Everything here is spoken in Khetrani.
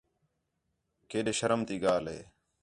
کیݙے شرم تی ڳالھ ہے